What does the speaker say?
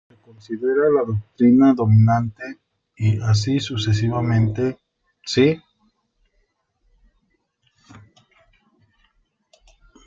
Se considera la doctrina dominante y así sucesivamente si.